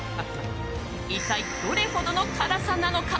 一体、どれほどの辛さなのか。